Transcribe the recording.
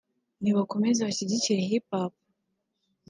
nibakomeze bashyigikire Hip hop